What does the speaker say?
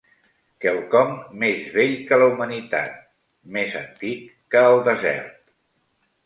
Quelcom més vell que la humanitat, més antic que el desert.